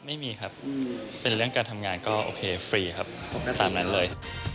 ไม่มีครับเป็นเรื่องการทำงานก็โอเคฟรีครับผมก็ตามนั้นเลย